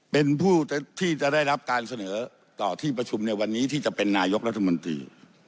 เป็นผู้ที่จะได้รับการเสนอต่อที่ประชุมในวันนี้ที่จะเป็นนายกรัฐมนตรี